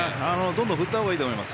どんどん振ったほうがいいと思います。